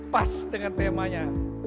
pas dengan temanya